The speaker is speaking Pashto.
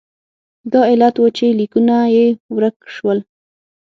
دا علت و چې لیکونه یې ورک شول.